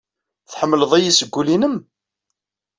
Tḥemmleḍ-iyi seg wul-nnem?